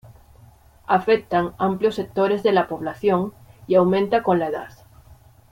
Afectan amplios sectores de la población y aumenta con la edad.